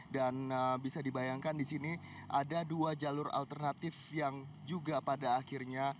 dan bisa dibayangkan di sini ada dua jalur alternatif yang juga pada akhirnya